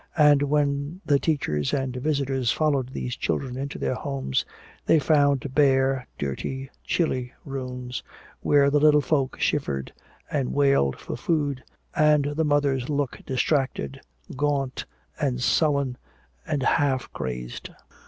And when the teachers and visitors followed these children into their homes they found bare, dirty, chilly rooms where the little folk shivered and wailed for food and the mothers looked distracted, gaunt and sullen and half crazed.